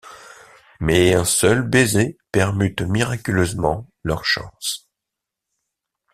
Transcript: Mais un seul baiser permute miraculeusement leurs chances.